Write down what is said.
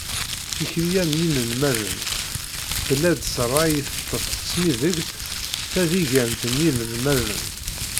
Tikli-a n yinelmaden, tella-d s rray i teṭṭef Tesmidegt tadigant n yinelmaden.